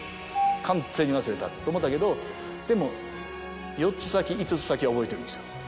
「完全に忘れた」と思ったけどでも４つ先５つ先は覚えてるんですよ。